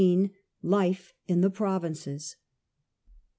LIFE IN THE PROVINCES.